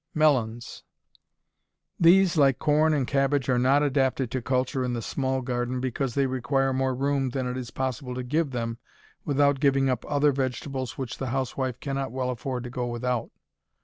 Melons These, like corn and cabbage, are not adapted to culture in the small garden because they require more room than it is possible to give them without giving up other vegetables which the housewife cannot well afford to go without.